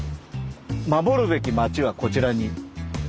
守るべき町はこちらに。